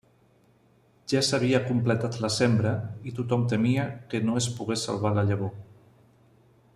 Ja s'havia completat la sembra i tothom temia que no es pogués salvar la llavor.